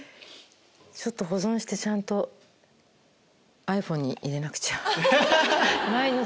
保存してちゃんとｉＰｈｏｎｅに入れなくちゃ毎日